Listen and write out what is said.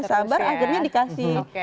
sabar akhirnya dikasih